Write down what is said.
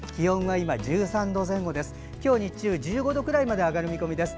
今日、日中、１５度くらいまで上がる見込みです。